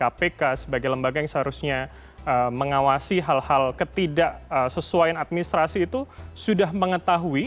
apakah kemudian misalkan ombudsman kpk sebagai lembaga yang seharusnya mengawasi hal hal ketidak sesuai administrasi itu sudah mengetahui